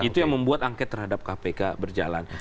itu yang membuat angket terhadap kpk berjalan